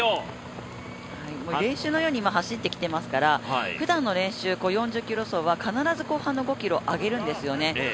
練習のように走ってきてますからふだんの練習、４０ｋｍ走は必ず後半の５ｋｍ上げるんですよね。